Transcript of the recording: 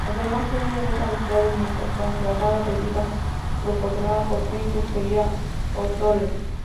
Además, Kenneth es arrestado mientras transporta bebida proporcionada por Princess Querida O'Toole.